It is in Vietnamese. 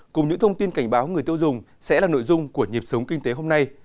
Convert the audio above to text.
cùng những thông tin cảnh báo người tiêu dùng sẽ là nội dung của nhịp sống kinh tế hôm nay